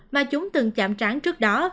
mà chúng từng chạm tráng trước đó